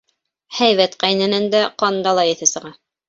Һәйбәт ҡәйнәнән дә ҡандала еҫе сыға.